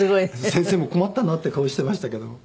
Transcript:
先生も困ったなっていう顔していましたけども。